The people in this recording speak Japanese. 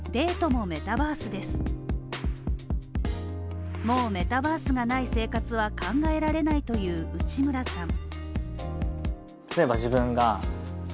もうメタバースがない生活は考えられないという内村さん。